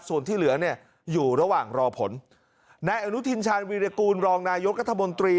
ส่วนที่เหลือเนี่ยอยู่ระหว่างรอผลนายอนุทินชาญวีรกูลรองนายกัธมนตรี